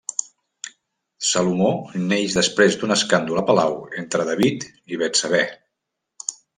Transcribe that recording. Salomó neix després d'un escàndol a palau entre David i Betsabé.